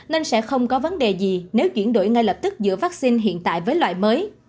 nên sẽ không có vấn đề gì nếu chuyển đổi ngay lập tức giữa vaccine hiện tại với loại mới